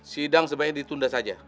sidang sebaiknya ditunda saja